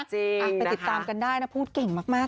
จริงนะคะไปติดตามกันได้นะพูดเก่งมากค่ะ